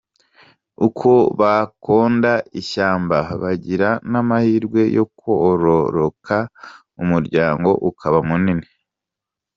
Uko bakonda ishyamba, bagira n’amahirwe yo kwororoka ,umuryango ukaba munini.